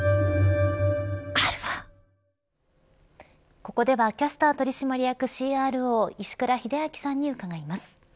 ここではキャスター取締役ＣＲＯ石倉秀明さんに伺います。